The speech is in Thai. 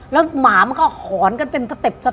และหัวหอนก็เป็นสเต็บอ่ะ